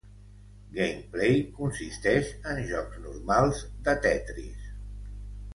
Gameplay consisteix en jocs normals de Tetris.